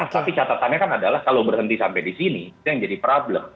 tapi catatannya kan adalah kalau berhenti sampai di sini itu yang jadi problem